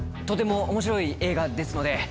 とても面白い映画ですので。